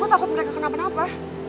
oh takut mereka kenapa napa